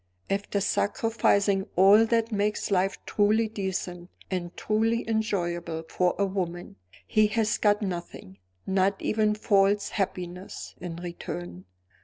"After sacrificing all that makes life truly decent and truly enjoyable for a woman, he has got nothing, not even false happiness, in return!"